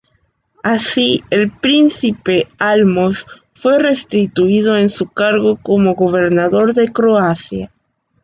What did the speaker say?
Así, el príncipe Álmos fue restituido en su cargo como gobernador de Croacia.